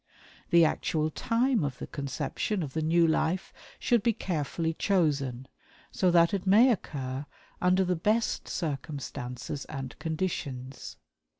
The actual time of the conception of the new life should be carefully chosen, so that it may occur under the best circumstances and conditions.